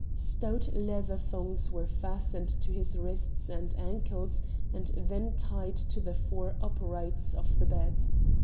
Stout leather thongs were fastened to his wrists and ankles and then tied to the four uprights of the bed.